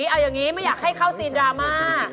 เอาอย่างนี้ไม่อยากให้เข้าซีนดราม่า